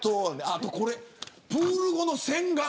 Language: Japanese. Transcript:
あとこれ、プール後の洗眼。